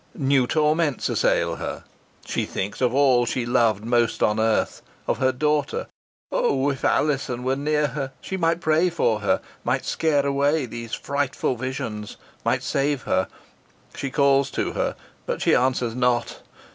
New torments assail her. She thinks of all she loves most on earth of her daughter! Oh! if Alizon were near her, she might pray for her might scare away these frightful visions might save her. She calls to her but she answers not.